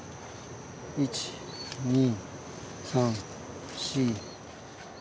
１２３４。